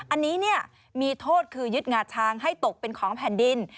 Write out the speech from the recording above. อันนี้มีโทษคือยึดงาช้างให้ตกเป็นของแผ่นดิน